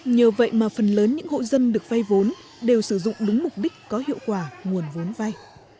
nhờ vậy mà phần lớn những hộ dân được vay vốn đều sử dụng đúng mục đích có hiệu quả nguồn vốn vay